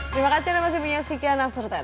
terima kasih nama saya minyak sikian after that